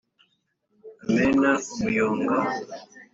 amena umuyonga